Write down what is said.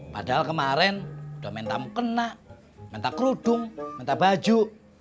padahal kemarin udah minta mukena minta kerudung minta baju